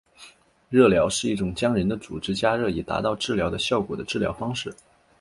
热疗是一种将人的组织加热以达到治疗的效果的治疗方式。